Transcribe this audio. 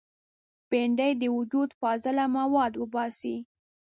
بېنډۍ د وجود فاضله مواد وباسي